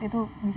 gitu juga bisa